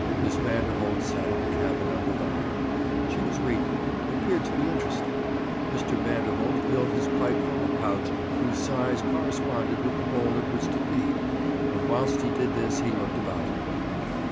Miss Vanderholt sat in the cabin, under the lamp. She was reading, and appeared to be interested. Mr. Vanderholt filled his pipe from a pouch whose size corresponded with the bowl it was to feed, and whilst he did this he looked about him.